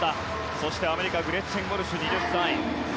そしてアメリカグレッチェン・ウォルシュ。